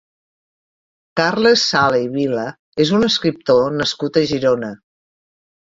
Carles Sala i Vila és un escriptor nascut a Girona.